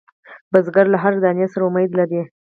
بزګر له هر دانې سره امید لري